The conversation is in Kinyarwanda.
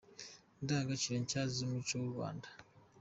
Indangagaciro nshya mu muco w’u Rwanda.